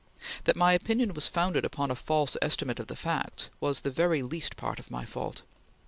... That my opinion was founded upon a false estimate of the facts was the very least part of my fault.